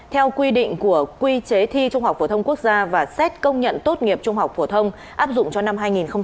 theo quy định của quy chế thi trung học phổ thông quốc gia và xét công nhận tốt nghiệp trung học phổ thông áp dụng cho năm hai nghìn hai mươi